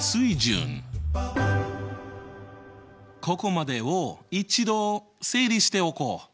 ここまでを一度整理しておこう！